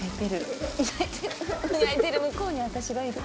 焼いてる向こうに私がいる。